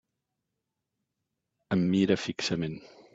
Em mira fixament.